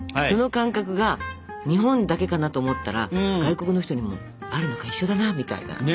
その感覚が日本だけかなと思ったら外国の人にもあるのか一緒だなみたいな。